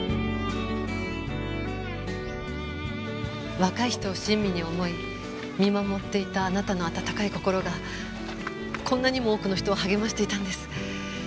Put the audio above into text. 若い人を親身に思い見守っていたあなたの温かい心がこんなにも多くの人を励ましていたんです。